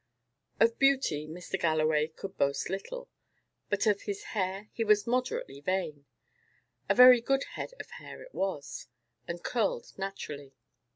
Of beauty, Mr. Galloway could boast little; but of his hair he was moderately vain: a very good head of hair it was, and curled naturally.